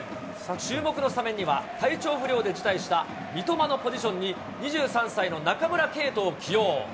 注目のスタメンには、体調不良で辞退した三笘のポジションに２３歳の中村敬斗を起用。